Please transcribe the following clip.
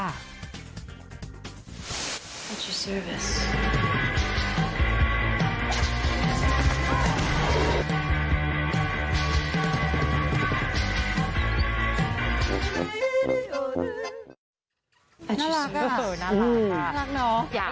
น่ารักค่ะ